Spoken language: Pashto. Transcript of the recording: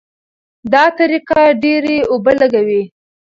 دا طریقه ډېرې اوبه لګوي.